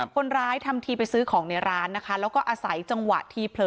คนร้ายทำทีไปซื้อของในร้านนะคะแล้วก็อาศัยจังหวะที่เผลอ